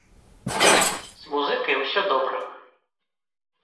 З музыкай усё добра.